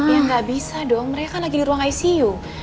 ya nggak bisa dong mereka lagi di ruang icu